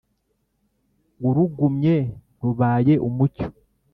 urugumye rubaye umucyo